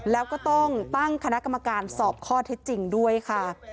แล้วก็ต้องตั้งคณะกรรมการสอบข้อเท็จจริงด้วยค่ะ